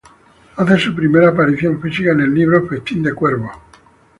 Hace su primera aparición física en el libro "Festín de cuervos".